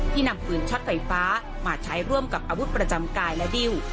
นำปืนช็อตไฟฟ้ามาใช้ร่วมกับอาวุธประจำกายและดิ้ว